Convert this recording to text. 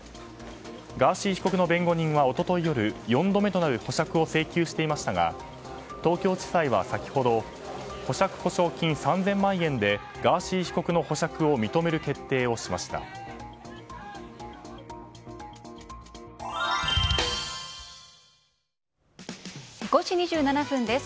ガーシー被告の弁護人は一昨日夜４度目となる保釈を請求していましたが東京地裁は先ほど保釈保証金３０００万円でガーシー被告の５時２７分です。